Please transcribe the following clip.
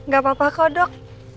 gak apa apa kok dok